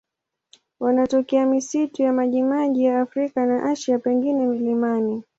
Wanatokea misitu ya majimaji ya Afrika na Asia, pengine milimani.